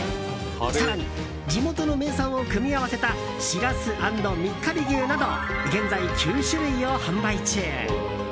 更に、地元の名産を組み合わせたしらす＆三ヶ日牛など現在９種類を販売中。